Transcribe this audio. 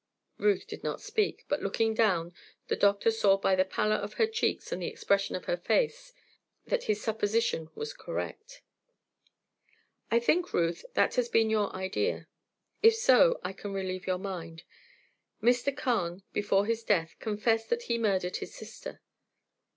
Ruth did not speak, but looking down, the doctor saw by the pallor of her cheeks and the expression of her face that his supposition was correct. "I think, Ruth, that has been your idea. If so, I can relieve your mind. Mr. Carne before his death confessed that he murdered his sister."